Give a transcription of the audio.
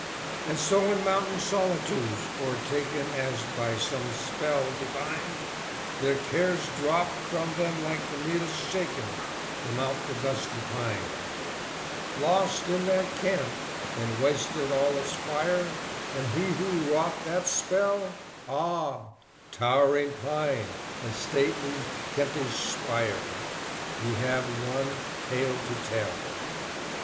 And so in mountain solitudes o'ertaken As by some spell divine Their cares dropped from them like the needles shaken From out the gusty pine. Lost is that camp and wasted all its fire: And he who wrought that spell? Ah! towering pine and stately Kentish spire, Ye have one tale to tell!